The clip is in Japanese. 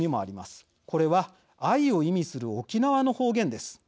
これは愛を意味する沖縄の方言です。